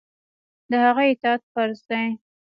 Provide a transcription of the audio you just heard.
د هغه اطاعت فرض دی.